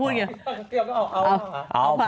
พี่นักเตียบก็เอาผาด